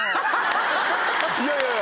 いやいやいや。